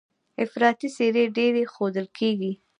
افراطي څېرې ډېرې ښودل کېږي.